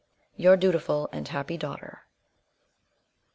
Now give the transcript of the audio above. _Your dutiful and happy daughter.